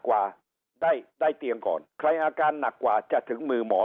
กว่าได้ได้เตียงก่อนใครอาการหนักกว่าจะถึงมือหมอ